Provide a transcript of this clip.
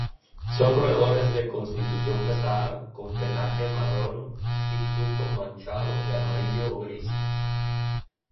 Son roedores de constitución pesada, con pelaje marrón hirsuto manchado de amarillo o gris.